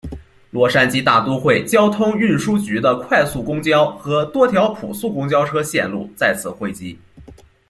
洛杉矶大都会交通运输局的快速公交和多条普速公交车线路在此汇集。